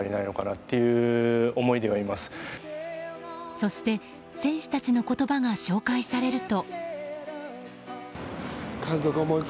そして、選手たちの言葉が紹介されると。